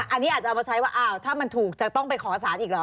อันนี้อาจจะเอามาใช้ว่าอ้าวถ้ามันถูกจะต้องไปขอสารอีกเหรอ